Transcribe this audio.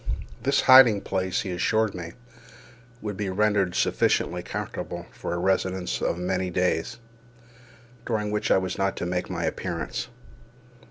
This hiding place, he assured me, would be rendered sufficiently comfortable for a residence of many days, during which I was not to make my appearance.